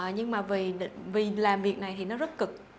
nhưng mà vì làm việc này thì nó rất cực